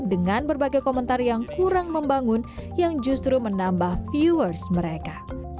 dengan berbagai komentar yang kurang membangun yang justru menambah viewers mereka